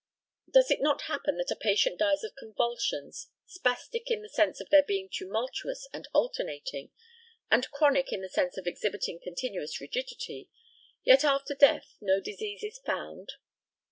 Does it not happen that a patient dies of convulsions, spastic in the sense of their being tumultuous and alternating, and chronic in the sense of exhibiting continuous rigidity, yet after death no disease is found?